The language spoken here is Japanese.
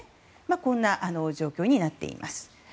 こんな状況になっています。